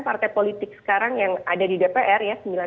partai politik sekarang yang ada di dpr ya